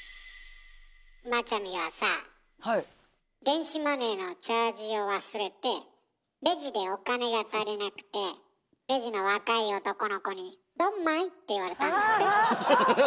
電子マネーのチャージを忘れてレジでお金が足りなくてレジの若い男の子に「ドンマイ」って言われたんだって？